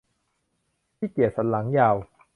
ขี้เกียจสันหลังยาว